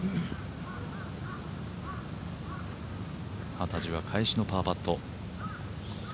幡地は返しのパーパット。